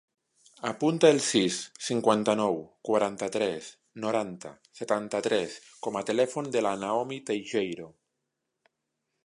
Apunta el sis, cinquanta-nou, quaranta-tres, noranta, setanta-tres com a telèfon de la Naomi Teijeiro.